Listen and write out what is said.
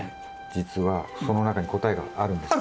じつはその中に答えがあるんですけど。